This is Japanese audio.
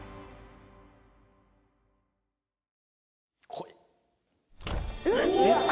来い！